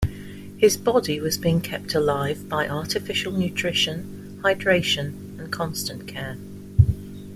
His body was being kept alive by artificial nutrition, hydration and constant care.